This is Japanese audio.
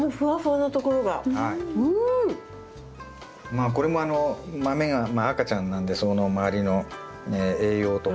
まあこれも豆が赤ちゃんなんでその周りの栄養とかですね。